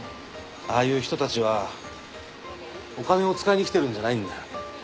ああいう人たちはお金を使いにきてるんじゃないんだ。